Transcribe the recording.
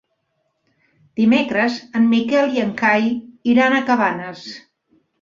Dimecres en Miquel i en Cai iran a Cabanes.